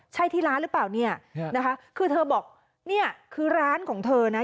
ใช่ที่ร้านหรือเปล่าเนี่ยนะคะคือเธอบอกเนี่ยคือร้านของเธอนะ